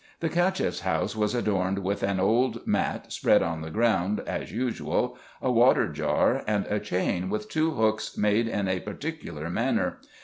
The CachefFs house was adorned with an old mat spread on the ground as usual, a water jar, and a chain with two hooks made in a par ticular manner.